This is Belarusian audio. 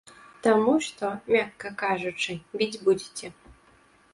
Таму што, мякка кажучы, біць будзеце.